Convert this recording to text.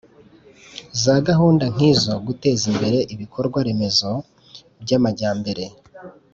za gahunda nk'izo guteza imbere ibikorwa remezo by'amajyambere